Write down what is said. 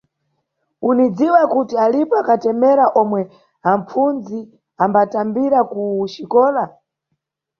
Unidziwa kuti alipo akatemera omwe apfunzi ambatambira ku xikola?